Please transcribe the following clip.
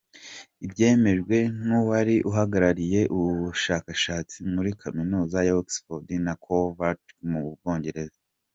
, ibyemejwe n’uwari uhagarariye ubu bushakashatsi muri kaminuza ya Oxford na Coventry mu Bwongereza.